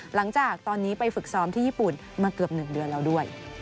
หลังจากตอนนี้ไปฝึกซ้อมที่ญี่ปุ่นมาเกือบ๑เดือนแล้วด้วย